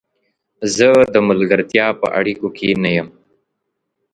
زه د ملګرتیا په اړیکو کې نه یم.